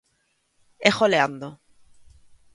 E goleando.